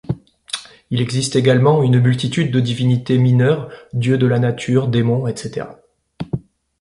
Il existe également une multitude de divinités mineures, dieux de la nature, démons, etc.